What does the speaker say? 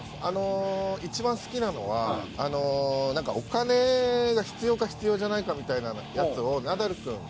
あの一番好きなのはなんかお金が必要か必要じゃないかみたいなやつをナダル君。